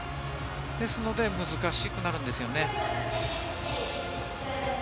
ですので難しくなるんですよね。